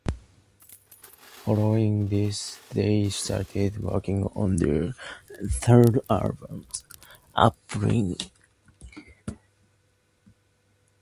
Following this they started working on their third album: "Uprising".